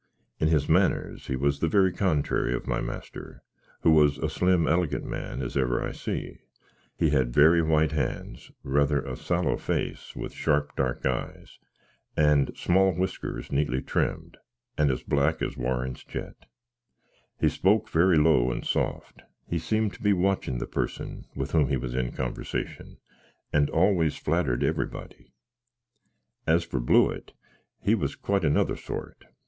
In his manners he was the very contrary of my master, who was a slim, ellygant man, as ever I see he had very white hands, rayther a sallow face, with sharp dark ise, and small wiskus neatly trimmed, and as black as Warren's jet he spoke very low and soft he seemed to be watchin the person with whom he was in convysation, and always flatterd every body. As for Blewitt, he was quite of another sort.